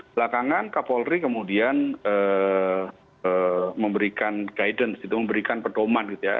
belakangan kapolri kemudian memberikan guidance gitu memberikan pedoman gitu ya